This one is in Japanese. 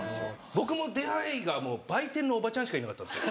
僕も出会いがもう売店のおばちゃんしかいなかったんです。